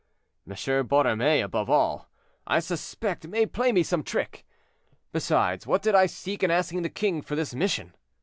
M. Borromée, above all, I suspect may play me some trick. Besides, what did I seek in asking the king for this mission?